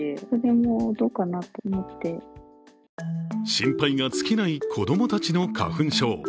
心配が尽きない子供たちの花粉症。